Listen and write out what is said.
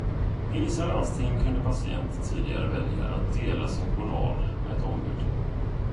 I vissa landsting kunde patienter tidigare välja att dela sin journal med ett ombud.